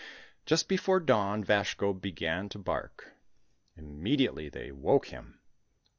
Just before dawn Vazhko began to bark. Immediately they awoke him.